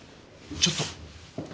ちょっと。